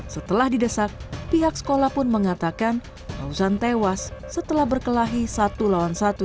setelah didesak pihak sekolah pun mengatakan fauzan tewas setelah berkelahi satu lawan satu